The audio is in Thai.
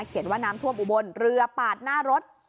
ว่าน้ำท่วมอุบลเรือปาดหน้ารถ